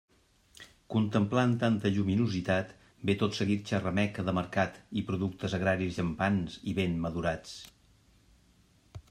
Contemplant tanta lluminositat, ve tot seguit xarrameca de mercat i productes agraris llampants i ben madurats.